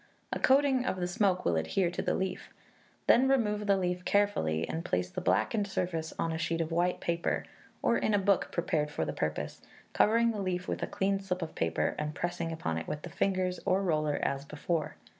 A coating of the smoke will adhere to the leaf. Then remove the leaf carefully, and place the blackened surface on a sheet of white paper, or in a book prepared for the purpose, covering the leaf with a clean slip of paper, and pressing upon it with the fingers, or roller, as before.